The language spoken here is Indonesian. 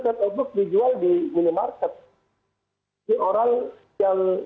setobox ini belinya